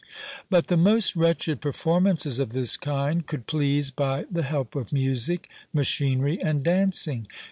But the most wretched performances of this kind could please by the help of music, machinery, and dancing."